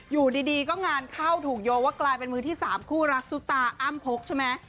อยู่ดีก็งานเข้าถูกโยว่ากลายเป็นมือที่๓คู่รักซุปตาอ้ำพกใช่ไหม